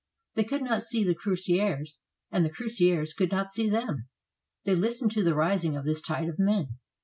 They could not see the cuirassiers, and the cuirassiers could not see them. They listened to the rising of this tide of men.